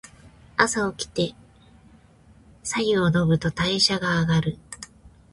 朝おきて白湯を飲むと代謝が上がる。